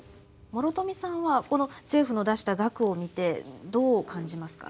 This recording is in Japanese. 諸富さんは政府の出した額を見てどう感じますか？